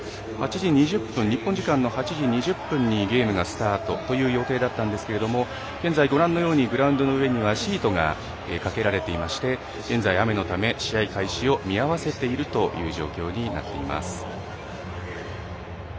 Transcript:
日本時間の８時２０分にゲームがスタートという予定だったんですが現在ご覧のようにグラウンドの上にはシートがかけられていまして現在雨のため試合開始を見合わせているという状況になっています。